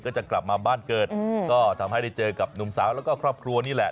จะกลับมาบ้านเกิดก็ทำให้ได้เจอกับหนุ่มสาวแล้วก็ครอบครัวนี่แหละ